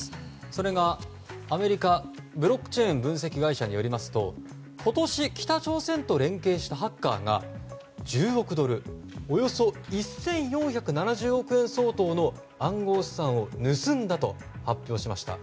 それが、アメリカのブロックチェーン分析会社によりますと今年、北朝鮮と連携したハッカーが１０億ドルおよそ１４７０億円相当の暗号資産を盗んだと発表しました。